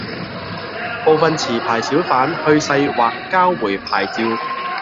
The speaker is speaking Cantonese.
部分持牌小販去世或交回牌照